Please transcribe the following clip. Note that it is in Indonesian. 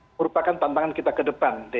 merupakan tantangan kita ke depan